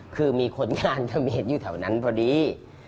คือมีคนงานทะเบียนอยู่แถวนั้นพอดี